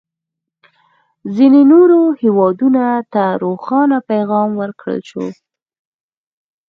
ځینو نورو هېوادونه ته روښانه پیغام ورکړل شو.